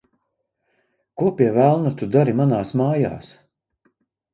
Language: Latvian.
Ko, pie velna, tu dari manās mājās?